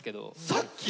さっき！？